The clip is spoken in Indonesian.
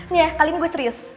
nih kali ini gue serius